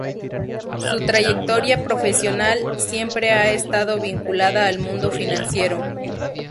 Su trayectoria profesional siempre ha estado vinculada al mundo financiero.